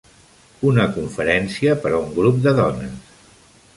Una conferència per a un grup de dones.